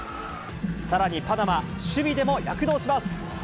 さらにパナマ、守備でも躍動します。